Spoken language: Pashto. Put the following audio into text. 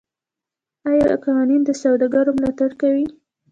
آیا قوانین د سوداګرو ملاتړ کوي؟